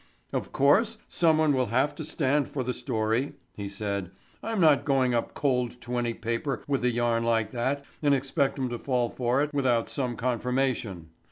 "Of course, someone will have to stand for the story," he said. "I'm not going up cold to any paper with a yarn like that and expect 'em to fall for it, without some confirmation.